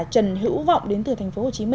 trần hữu vọng đến từ tp hcm